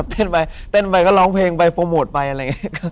เต้นไปเต้นไปก็ร้องเพลงไปโปรโมทไปอะไรอย่างนี้